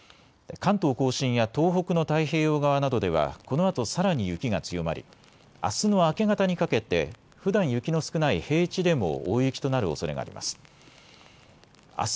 関東甲信や東北の太平洋側などではこのあとさらに雪が強まりあすの明け方にかけてふだん雪の少ない平地でも大雪となるおそれがあります。